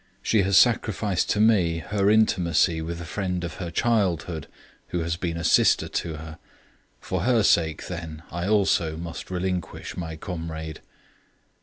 She has sacrificed to me her intimacy with a friend of her childhood, who has been a sister to her. For her sake, then, I also must relinquish my comrade!